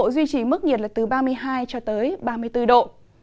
duy trì mức nhiệt là từ ba mươi hai cho tới ba mươi bốn độ